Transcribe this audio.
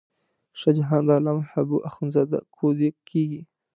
شاه جان د علامه حبو اخند زاده کودی کېږي.